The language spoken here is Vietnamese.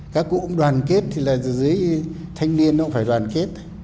các cụ cũng đoàn kết thì là dưới thanh niên nó cũng phải đoàn kết